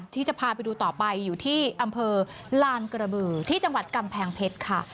ที่จะพาไปดูต่อไปอยู่ที่อำเภอลานกระบือที่จังหวัดกำแพงเพชรค่ะ